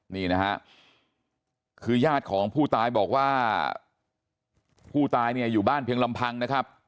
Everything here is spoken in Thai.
นี่นะฮะคือญาติของผู้ตายบอกว่าผู้ตายเนี่ยอยู่บ้านเพียงลำพังนะครับ